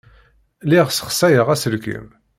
Lliɣ ssexsayeɣ aselkim.